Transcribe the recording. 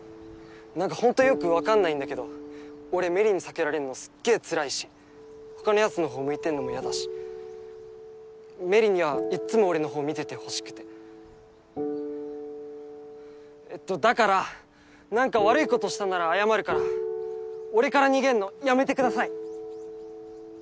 なんか本当よくわかんないんだけど俺芽李に避けられんのすっげえつらいしほかのやつのほう向いてんのもやだし芽李にはいっつも俺のほう見ててほしくてえっとだからなんか悪いことしたんなら謝るから俺から逃げんのやめてください